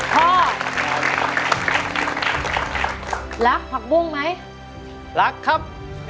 พ่อรักผักบุ้งไหมรักครับ